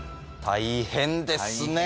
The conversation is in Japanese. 大変ですね。